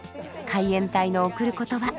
海援隊の「贈る言葉」。